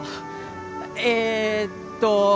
えっと